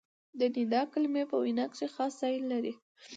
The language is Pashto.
د ندا کلیمې په وینا کښي خاص ځای لري.